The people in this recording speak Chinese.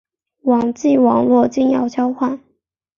网际网路金钥交换。